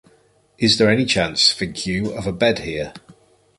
Is there any chance, think you, of a bed here?